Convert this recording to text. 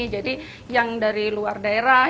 jadi yang dari luar daerah